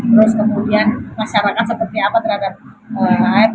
terus kemudian masyarakat seperti apa terhadap air